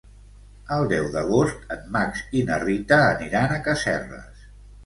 El deu d'agost en Max i na Rita aniran a Casserres.